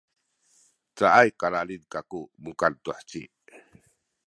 cayay kalalid kaku mukan tu heci